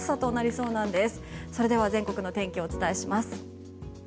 それでは全国の天気をお伝えします。